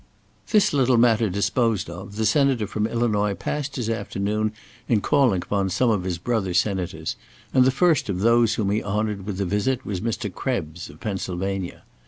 This little matter disposed of; the Senator from Illinois passed his afternoon in calling upon some of his brother senators, and the first of those whom he honoured with a visit was Mr. Krebs, of Pennsylvania.